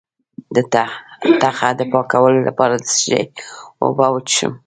د تخه د پاکوالي لپاره د څه شي اوبه وڅښم؟